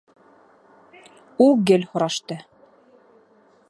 У гел һорашты.